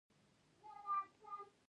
اوومه برخه جیوډیزي انجنیری ده.